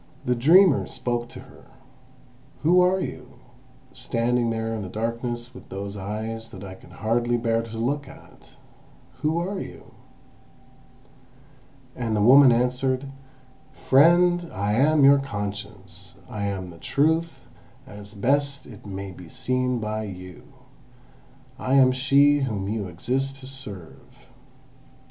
The dreamer spoke to her: "Who are you, standing there in the darkness with those eyes that I can hardly bear to look at? Who are you?" And the woman answered: "Friend, I am your Conscience; I am the Truth as best it may be seen by you. I am she whom you exist to serve."